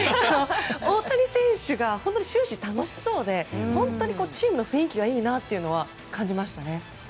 大谷選手が終始、楽しそうで本当にチームの雰囲気がいいなと感じましたね。